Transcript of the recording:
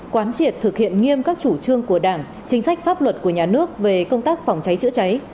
quán triệt thực hiện nghiêm các chủ trương của đảng chính sách pháp luật của nhà nước về công tác phòng cháy chữa cháy